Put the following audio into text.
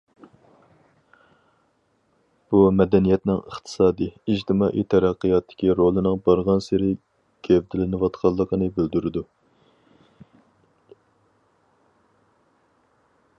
بۇ، مەدەنىيەتنىڭ ئىقتىسادىي، ئىجتىمائىي تەرەققىياتتىكى رولىنىڭ بارغانسېرى گەۋدىلىنىۋاتقانلىقىنى بىلدۈرىدۇ.